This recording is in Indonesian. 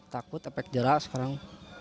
takut efek jara sekarang